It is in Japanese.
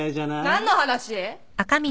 ・何の話？